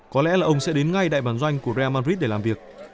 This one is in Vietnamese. có lẽ là ông sẽ đến ngay đại bản doanh của bra madrid để làm việc